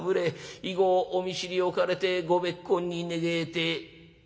以後お見知りおかれてご別懇に願えてえ」。